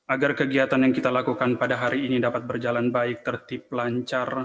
agar kegiatan yang kita lakukan pada hari ini dapat berjalan baik tertib lancar